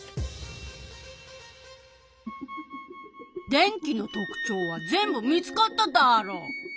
電気の特ちょうは全部見つかったダーロ。